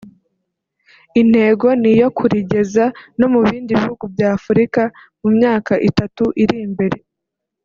Intego ni iyo kurigeza no mu bindi bihugu bya Afurika mu myaka itatu iri imbere